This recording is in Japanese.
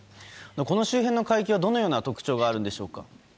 この周辺の海域はどのような特徴があるんでしょうか。